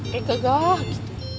kayak gagah gitu